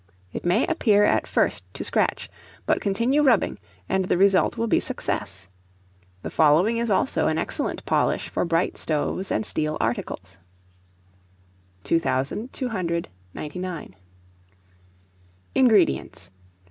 It may appear at first to scratch, but continue rubbing, and the result will be success. The following is also an excellent polish for bright stoves and steel articles: 2299. INGREDIENTS.